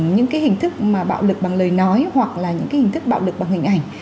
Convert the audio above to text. những cái hình thức mà bạo lực bằng lời nói hoặc là những cái hình thức bạo lực bằng hình ảnh